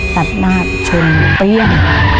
ธัดมากเชิงเตี้ยง